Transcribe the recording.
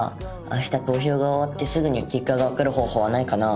明日投票が終わってすぐに結果がわかる方法はないかな？